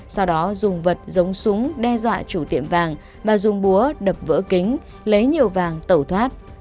sau đó dùng vật giống súng đe dọa chủ tiệm vàng và dùng búa đập vỡ kính lấy nhiều vàng tẩu thoát